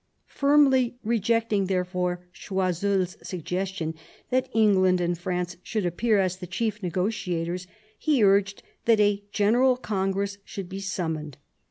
Firmly rejecting, therefore, Choiseurs suggestion that England and France should appear as the chief negotiators, he urged that a general congress should be summoned.